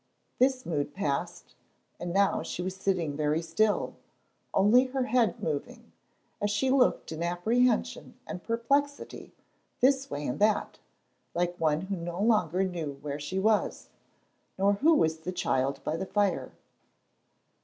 This mood passed, and now she was sitting very still, only her head moving, as she looked in apprehension and perplexity this way and that, like one who no longer knew where she was, nor who was the child by the fire.